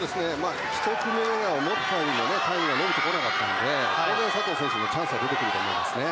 １組目は思ったよりもタイムが伸びてこなかったので当然、佐藤選手にもチャンスは出てきますね。